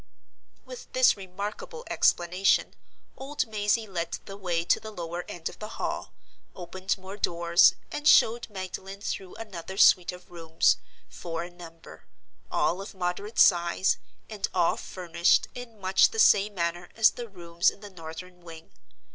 With this remarkable explanation, old Mazey led the way to the lower end of the Hall, opened more doors, and showed Magdalen through another suite of rooms, four in number, all of moderate size, and all furnished in much the same manner as the rooms in the northern wing.